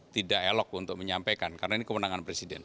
tidak elok untuk menyampaikan karena ini kewenangan presiden